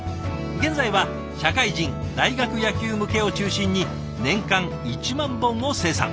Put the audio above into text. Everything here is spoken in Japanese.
現在は社会人大学野球向けを中心に年間１万本を生産。